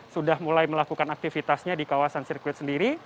sudah mulai melakukan aktivitasnya di kawasan sirkuit sendiri